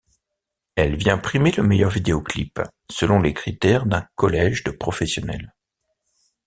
Elle vient primer le meilleur vidéoclip selon les critères d'un collège de professionnels.